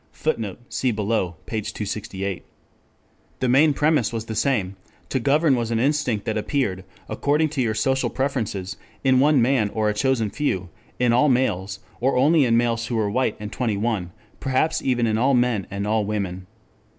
[Footnote: See below p. 268.] The main premise was the same: to govern was an instinct that appeared, according to your social preferences, in one man or a chosen few, in all males, or only in males who were white and twenty one, perhaps even in all men and all women.